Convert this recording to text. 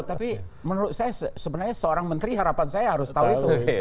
tapi menurut saya sebenarnya seorang menteri harapan saya harus tahu itu